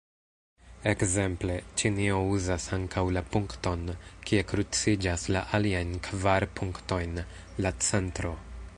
Ekzemple, Ĉinio uzas ankaŭ la punkton, kie kruciĝas la aliajn kvar punktojn: la centro.